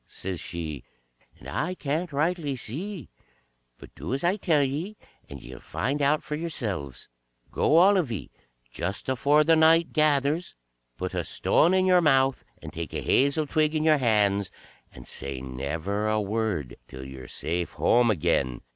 says she, "and I can't rightly see, but do as I tell ye, and ye 'll find out for yourselves. Go all of ye, just afore the night gathers, put a stone in your mouth, and take a hazel twig in your hands, and say never a word till you're safe home again.